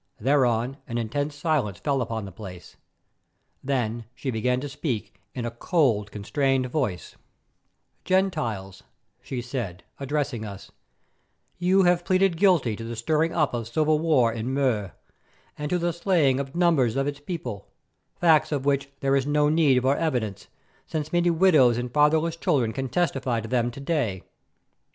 Thereon an intense silence fell upon the place. Then she began to speak in a cold, constrained voice: "Gentiles," she said, addressing us, "you have pleaded guilty to the stirring up of civil war in Mur, and to the slaying of numbers of its people, facts of which there is no need for evidence, since many widows and fatherless children can testify to them to day.